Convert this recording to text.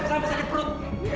sampe sakit perut